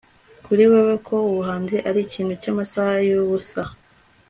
kuri wewe ko ubuhanzi ari ikintu cyamasaha yubusa